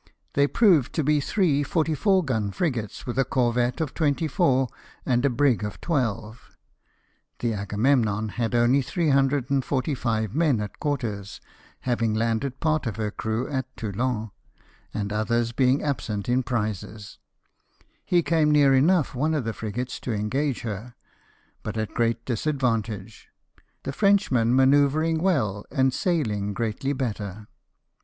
They proved to be three 44 gun frigates, with a corvette of 24, and a brig of 1 2. The Agamemnon had only 345 men at quarters, having landed part of her crew at Toulon, and others being absent in prizes. He came near enough one of the frigates to engage her, but at great disadvantage, the Frenchman manoeuvring well, and sailing greatly better.